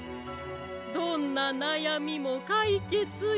どんななやみもかいけつよ。